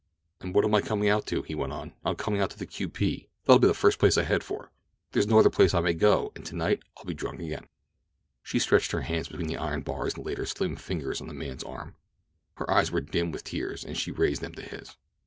"And what am I coming out to?" he went on. "I'm coming out to the Q.P.—that'll be the first place I'll head for. There is no other place that I may go, and tonight I'll be drunk again." She stretched her hand between the iron bars and laid her slim fingers on the man's arm. Her eyes were dim with tears as she raised them to his.